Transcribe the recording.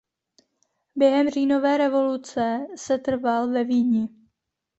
Během říjnové revoluce setrval ve Vídni.